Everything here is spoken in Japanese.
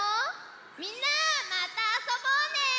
みんなまたあそぼうね！